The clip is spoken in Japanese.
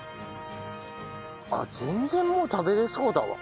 あっ全然もう食べれそうだわ。